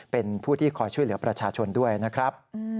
เป็นผู้ที่คอยช่วยเหลือประชาชนด้วยนะครับ